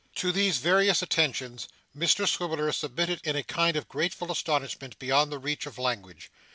To these various attentions, Mr Swiveller submitted in a kind of grateful astonishment beyond the reach of language.